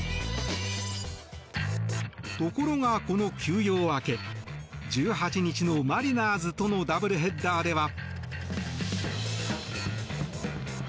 ところが、この休養明け１８日のマリナーズとのダブルヘッダーでは。